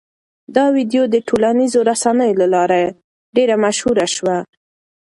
دا ویډیو د ټولنیزو رسنیو له لارې ډېره مشهوره شوه.